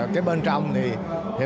cái bên trong thì